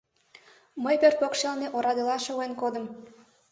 Мый пӧрт покшелне орадыла шоген кодым.